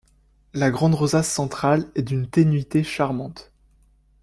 La grande rosace centrale est d'une ténuité charmante.